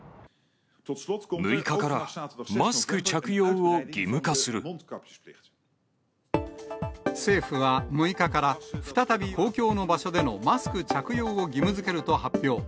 ６日からマスク着用を義務化政府は、６日から、再び公共の場所でのマスク着用を義務づけると発表。